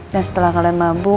dan setelah kalian mabuk